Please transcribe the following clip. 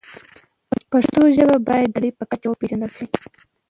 پښتو ژبه باید د نړۍ په کچه وپیژندل شي.